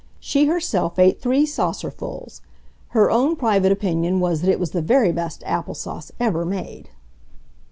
She herself ate three saucerfuls. Her own private opinion was that it was the very best apple sauce ever made.